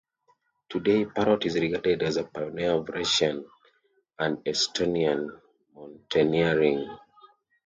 Today Parrot is regarded as a pioneer of Russian and Estonian mountaineering.